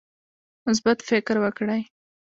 مثبت فکر وکړئ